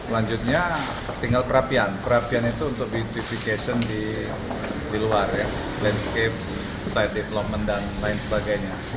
lanjutnya tinggal perapian perapian itu untuk bentification di luar ya landscape societ development dan lain sebagainya